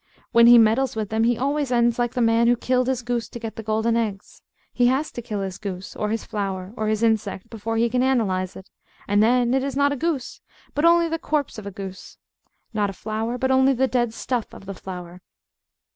When he meddles with them, he always ends like the man who killed his goose to get the golden eggs. He has to kill his goose, or his flower, or his insect, before he can analyse it; and then it is not a goose, but only the corpse of a goose; not a flower, but only the dead stuff of the flower.